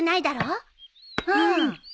うん。